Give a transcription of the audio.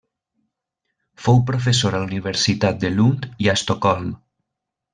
Fou professor a la Universitat de Lund i a Estocolm.